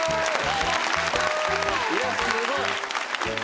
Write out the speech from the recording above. いやすごい！